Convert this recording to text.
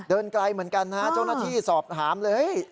ไกลเหมือนกันนะฮะเจ้าหน้าที่สอบถามเลย